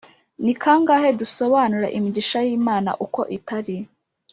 Ni kangahe dusobanura imigisha y’Imana uko itari